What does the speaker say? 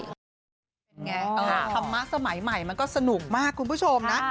เป็นไงธรรมะสมัยใหม่มันก็สนุกมากคุณผู้ชมนะ